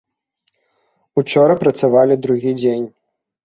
Учора працавалі другі дзень.